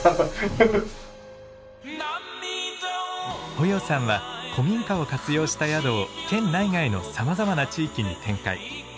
保要さんは古民家を活用した宿を県内外のさまざまな地域に展開。